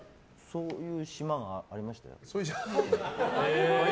そういう島がありましたよ。